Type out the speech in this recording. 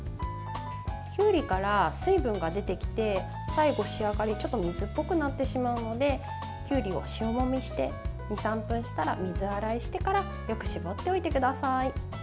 きゅうりから水分が出てきて最後、仕上がりがちょっと水っぽくなってしまうのできゅうりを塩もみして２３分したら水洗いしてからよく絞っておいてください。